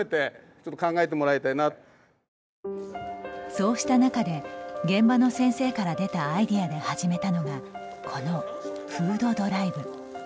そうした中で、現場の先生から出たアイデアで始めたのがこのフードドライブ。